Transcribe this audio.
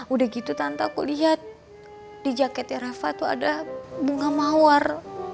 udah gitu tanpa aku lihat di jaketnya rafa tuh ada bunga mawar